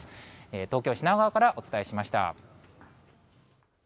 東京・品川からお伝えしました。